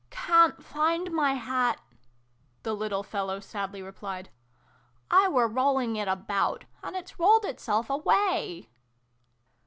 "Can't find my hat!" the little fellow sadly replied. " I were rolling it about. And it's rolled itself away